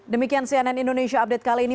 demikian cnn indonesia update kali ini